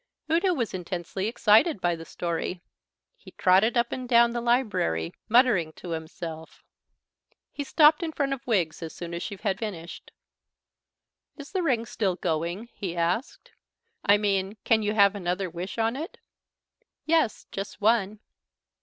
Udo was intensely excited by the story. He trotted up and down the library, muttering to himself. He stopped in front of Wiggs as soon as she had finished. "Is the ring still going?" he asked. "I mean, can you have another wish on it?" "Yes, just one."